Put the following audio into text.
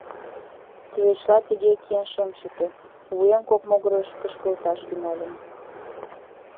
Тылечла тыге киен шым чыте: вуем кок могырыш кышкылташ тӱҥальым.